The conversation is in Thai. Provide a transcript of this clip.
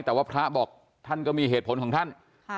แต่ว่าพระบอกท่านก็มีเหตุผลของท่าน